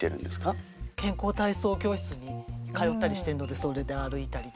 健康体操教室に通ったりしてるのでそれで歩いたりとか。